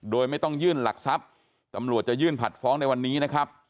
โดยไม่ต้องยื่นหลักทรัพย์ตำรวจจะยื่นผัดฟ้องในวันนี้นะครับ